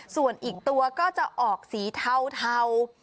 ส่วนอีกตัวก็จะออกสีเทา